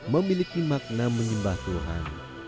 memiliki makna menyembah tuhan